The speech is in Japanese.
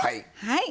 はい。